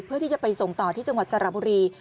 เพื่อที่จะไปส่งต่อที่จังหวัดสระบุรี